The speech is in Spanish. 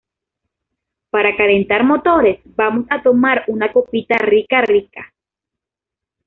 ¡ para calentar motores, vamos a tomar una copita rica, rica!